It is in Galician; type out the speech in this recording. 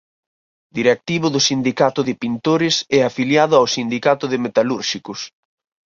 Directivo do Sindicato de pintores e afiliado ao Sindicato de metalúrxicos.